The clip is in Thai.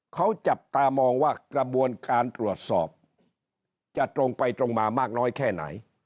เขาจับตามองว่ากระบวนการตรวจสอบจะตรงไปตรงมามากน้อยแค่ไหน